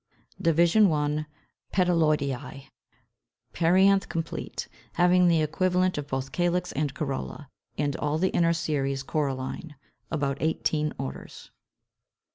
Division I. PETALOIDEÆ. Perianth complete, having the equivalent of both calyx and corolla, and all the inner series corolline. About 18 orders.